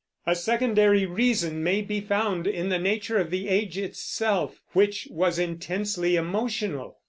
A secondary reason may be found in the nature of the age itself, which was intensely emotional.